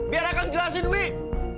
biar akang jelasin wih